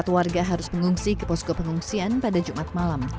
empat ratus dua puluh empat warga harus pengungsi ke posko pengungsian pada jumat malam